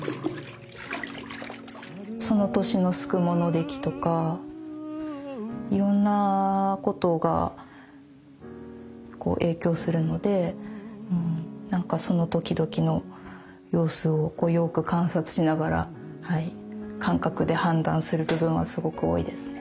その年のすくもの出来とかいろんなことがこう影響するのでなんかその時々の様子をこうよく観察しながら感覚で判断する部分はすごく多いですね。